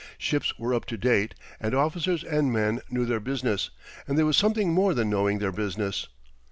Ships were up to date and officers and men knew their business; and there was something more than knowing their business.